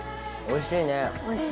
おいしい。